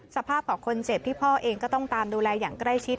สภาพของคนเจ็บที่พ่อเองก็ต้องตามดูแลอย่างใกล้ชิด